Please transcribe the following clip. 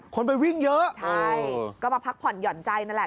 คนไปวิ่งเยอะใช่ก็มาพักผ่อนหย่อนใจนั่นแหละ